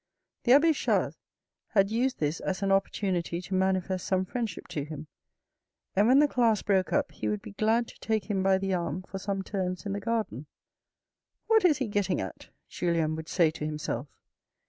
The abbe Chas had used this as an opportunity to manifest some friendship to him, and when the class broke up, he would be glad to take him by the arm for some turns in the garden. " What is he getting at," Julien would say to himself.